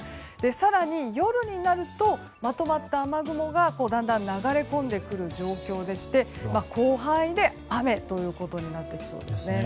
更に夜になるとまとまった雨雲がだんだん流れ込んでくる状況でして広範囲で雨となってきそうです。